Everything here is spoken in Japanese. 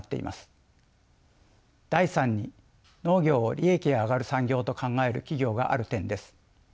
第３に農業を利益が上がる産業と考える企業がある点です。